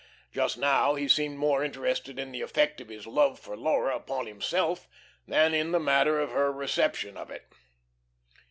Just now he seemed more interested in the effect of his love for Laura upon himself than in the manner of her reception of it.